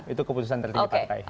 itu keputusan tertinggi partai